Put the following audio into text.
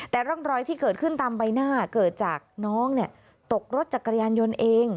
แต่ร่องรอยที่เกิดขึ้นตามใบหน้าเกิดจากน้องตกรถจักรยานยนต์เอง